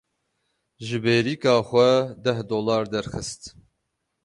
Ji bêrîka xwe deh dolar derxist.